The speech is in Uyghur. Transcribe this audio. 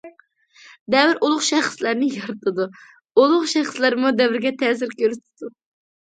دەۋر ئۇلۇغ شەخسلەرنى يارىتىدۇ، ئۇلۇغ شەخسلەرمۇ دەۋرگە تەسىر كۆرسىتىدۇ.